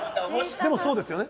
でもそうですよね。